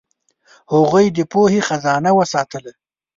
هغوی د پوهې خزانه وساتله.